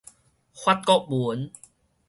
法國文